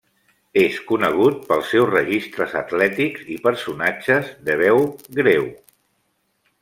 És conegut pels seus registres atlètics i personatges de veu greu.